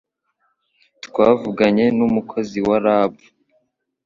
Twavuganye n'umukozi wa RAB